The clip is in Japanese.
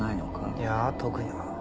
いや特には。